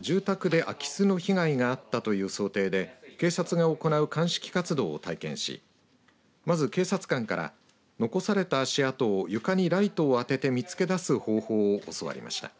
生徒たちは住宅で空き巣の被害があったという想定で警察が行う鑑識活動を体験しまず、警察官から残された足跡を床にライトを当てて見つけ出す方法を教わりました。